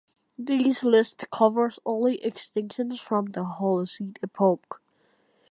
This list covers only extinctions from the Holocene epoch.